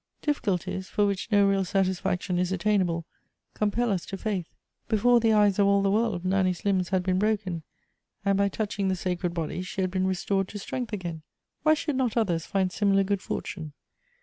Difficulties, for which no real satisfaction is attainable, compel us to faith. Before the eyes of all the world, Nanny's limbs had been broken, and by touching the sacred body she had been restored to strength again. Why should not others find similar good fortune